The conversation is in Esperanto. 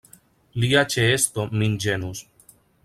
Lia ĉeesto min ĝenus.